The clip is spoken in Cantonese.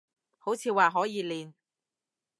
好似話可以練